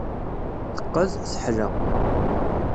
Teqqed, teḥla.